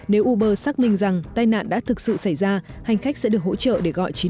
nếu uber xác minh rằng tai nạn đã thực sự xảy ra hành khách sẽ được hỗ trợ để gọi chín trăm một mươi một